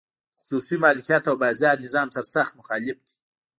د خصوصي مالکیت او بازار نظام سرسخت مخالف دی.